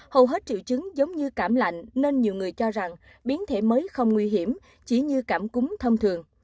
hầu hết triệu chứng giống như cảm lạnh nên nhiều người cho rằng biến thể mới không nguy hiểm chỉ như cảm cúm thông thường